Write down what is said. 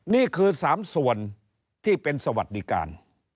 นี่คือ๓ส่วนที่เป็นสวัสดิการ